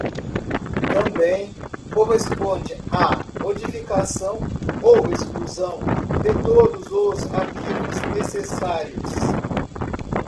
Também corresponde à modificação ou exclusão de todos os arquivos necessários.